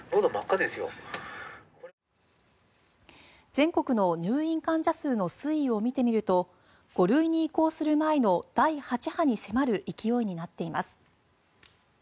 全国の入院患者数の推移を見てみると５類に移行する前の第８波に迫る勢いになっています。